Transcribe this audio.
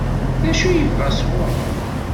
D acu i yebɣa sɣur-m?